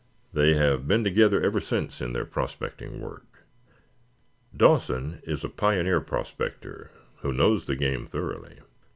They have been together ever since in their prospecting work. Dawson is a pioneer prospector who knows the game thoroughly.